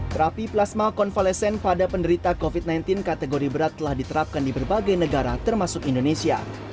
terapi plasma konvalesen pada penderita covid sembilan belas kategori berat telah diterapkan di berbagai negara termasuk indonesia